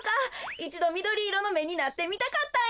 いちどみどりいろのめになってみたかったんや。